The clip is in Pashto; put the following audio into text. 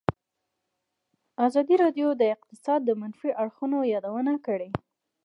ازادي راډیو د اقتصاد د منفي اړخونو یادونه کړې.